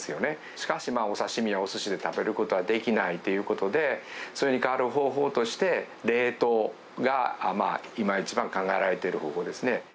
しかし、お刺身やおすしで食べることはできないということで、それに代わる方法として、冷凍が今一番考えられている方法ですね。